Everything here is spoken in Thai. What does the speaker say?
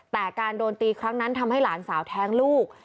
แต่การโดนตีครั้งนั้นทำให้หลานสาวแท้งลูก